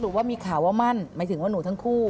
ว่ามีข่าวว่ามั่นหมายถึงว่าหนูทั้งคู่